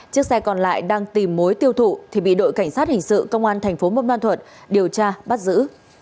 chiếc xe còn lại đang tìm mối tiêu thụ thì bị đội cảnh sát hình sự công an tp buôn ma thuật điều tra bắt giữ